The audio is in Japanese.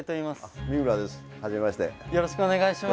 よろしくお願いします。